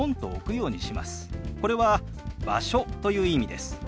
これは「場所」という意味です。